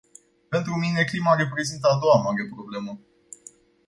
Pentru mine, clima reprezintă a doua mare problemă.